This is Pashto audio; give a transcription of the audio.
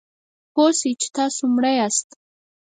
پوه شئ چې تاسو مړه یاست .